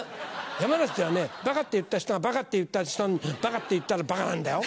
山梨ではねバカって言った人がバカって言った人にバカって言ったらバカなんだよ。